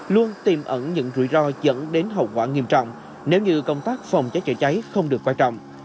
luôn tìm ẩn những rủi ro dẫn đến hậu quả nghiêm trọng nếu như công tác phòng cháy chữa cháy không được quan trọng